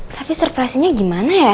tapi surprise innya gimana ya